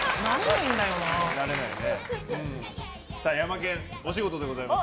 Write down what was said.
ヤマケン、お仕事でございます。